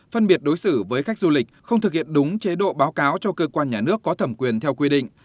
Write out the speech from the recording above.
phân biệt đối xử với khách du lịch không thực hiện đúng chế độ báo cáo cho cơ quan nhà nước có thẩm quyền theo quy định